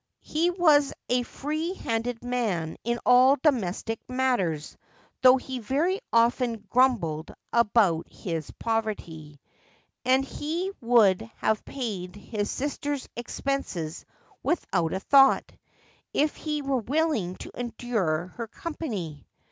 He was a free handed man in all domestic matters, though he very often grumbled about his poverty ; and he would have paid his sister's expenses without a thought, if he were willing to endure her company.